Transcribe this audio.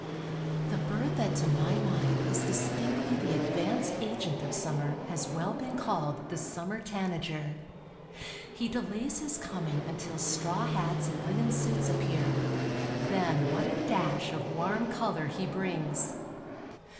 The bird that to my mind is distinctly the advance agent of summer has well been called the summer tanager. He delays his coming until straw hats and linen suits appear; then what a dash of warm color he brings.